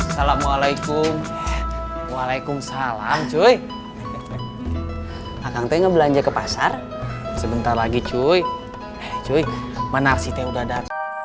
sampai jumpa di video selanjutnya